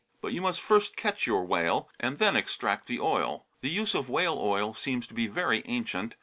But you must first catch your whale, and then extract the oil. The use of whale oil seems to be very ancient.